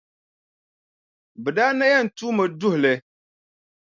Bɛ daa na yɛn tuumi duhi li.